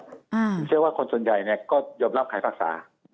ผมเชื่อว่าคนส่วนใหญ่เนี่ยก็ยอมรับขายภาษา